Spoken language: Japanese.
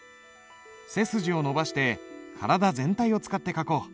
背筋を伸ばして体全体を使って書こう。